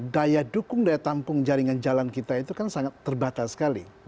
daya dukung daya tampung jaringan jalan kita itu kan sangat terbatas sekali